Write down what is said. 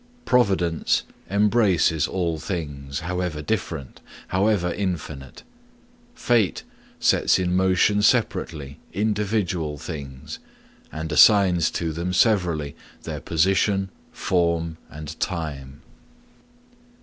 Providence embraces all things, however different, however infinite; fate sets in motion separately individual things, and assigns to them severally their position, form, and time.